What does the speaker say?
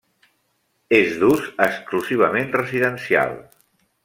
És d'ús exclusivament residencial.